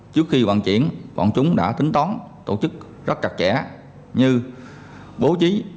trước khi vận chuyển bọn chúng đã tính toán tổ chức rất chặt chẽ như bố trí